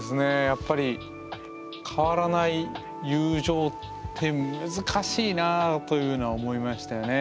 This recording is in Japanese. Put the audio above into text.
やっぱり変わらない友情って難しいなぁというのは思いましたよね。